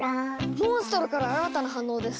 モンストロから新たな反応です！